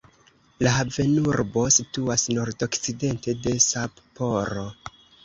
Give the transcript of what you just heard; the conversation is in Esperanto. La havenurbo situas nordokcidente de Sapporo.